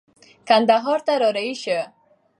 کندهار ته را رهي شه.